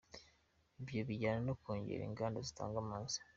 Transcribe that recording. Ibyo bijyana no kongera inganda zitanga amazi.